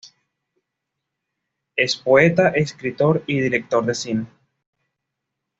Es poeta, escritor y director de cine.